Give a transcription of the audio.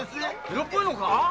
色っぽいのか？